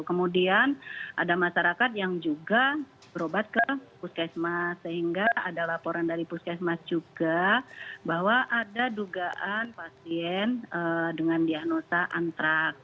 kemudian ada masyarakat yang juga berobat ke puskesmas sehingga ada laporan dari puskesmas juga bahwa ada dugaan pasien dengan diagnosa antraks